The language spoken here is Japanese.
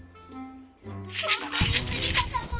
ちょっと似すぎたかも。